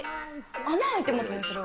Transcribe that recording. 穴、開いてますね、それは。